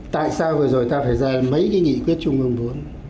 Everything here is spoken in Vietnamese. tại sao vừa rồi ta phải rời mấy cái nghị quyết trung ương bốn